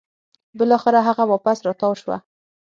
بلاخره هغه واپس راتاو شوه